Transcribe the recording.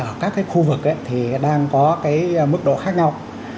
ở các khu vực thì đang có cái mức độ khác nhau